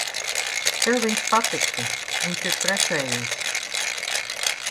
Tev viņš patiktu. Viņš ir precējies.